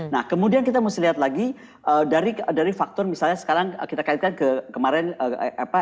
nah kemudian kita mesti lihat lagi dari faktor misalnya sekarang kita kaitkan ke kemarin apa